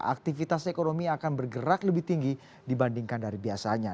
aktivitas ekonomi akan bergerak lebih tinggi dibandingkan dari biasanya